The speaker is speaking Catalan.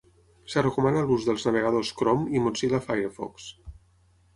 Es recomana l'ús dels navegadors Chrome i Mozilla Firefox.